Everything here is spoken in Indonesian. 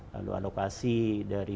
lalu alokasi dari